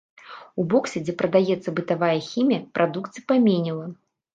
У боксе, дзе прадаецца бытавая хімія прадукцыі паменела.